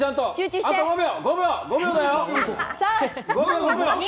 あと５秒。